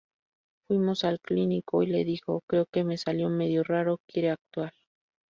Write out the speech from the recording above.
Fuimos al clínico y le dijo Creo que me salió medio raro… quiere actuar.